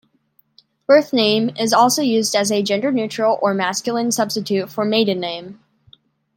"Birth name" is also used as a gender-neutral or masculine substitute for "maiden name.